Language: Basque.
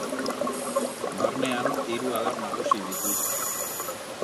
Barnean hiru adar nagusi ditu.